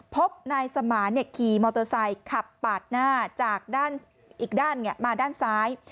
พบนายสมานขี่มอเตอร์ไซค์ขับปาดหน้าจากด้านอีกด้านมาด้านซ้าย